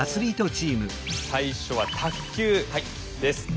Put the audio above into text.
最初は「卓球」です。